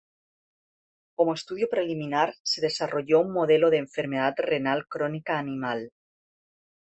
Como estudio preliminar, se desarrolló un modelo de enfermedad renal crónica animal.